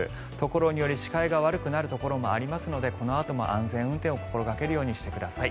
所により視界が悪くなるところもありますのでこのあとも安全運転を心掛けるようにしてください。